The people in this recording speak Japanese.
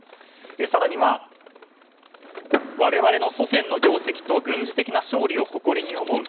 更には、我々の祖先の業績と軍事的な勝利を誇りに思う。